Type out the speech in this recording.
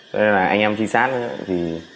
cho nên là anh em trinh sát